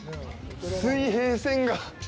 水平線が。